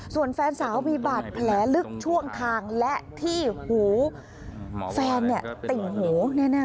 ส่วนแฟนสาวมีบาดแผลลึกช่วงทางและที่หูแฟนเนี่ยติ่งหูแน่